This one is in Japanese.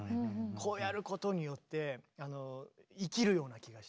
こうやることによって生きるような気がして。